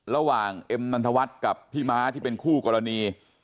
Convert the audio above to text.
เอ็มนันทวัฒน์กับพี่ม้าที่เป็นคู่กรณี